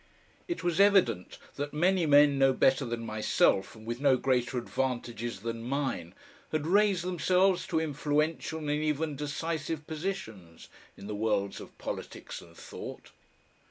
It was evident that many men no better than myself and with no greater advantages than mine had raised themselves to influential and even decisive positions in the worlds of politics and thought.